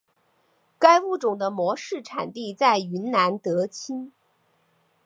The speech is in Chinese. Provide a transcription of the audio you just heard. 该物种的模式产地在云南德钦。